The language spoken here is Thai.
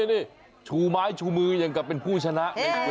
นี่ชูไม้ชูมืออย่างกับเป็นผู้ชนะ